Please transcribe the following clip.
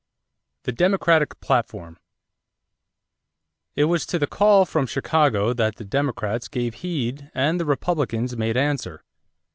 =The Democratic Platform.= It was to the call from Chicago that the Democrats gave heed and the Republicans made answer.